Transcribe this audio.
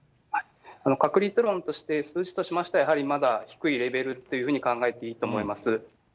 確率論として、数値としましてはまだ低いレベルっていうふうに考えていいと思います。